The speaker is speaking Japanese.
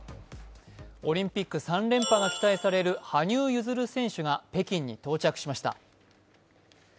オリンピック３連覇が期待される羽生結弦選手が北京に到着しました。